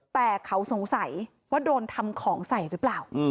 แต่เขาสงสัยว่าโดนทำของใส่หรือเปล่า